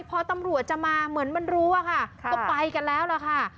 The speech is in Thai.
พอตำรวจจะมาเหมือนมันรู้อะค่ะก็ไปกันแล้วล่ะค่ะ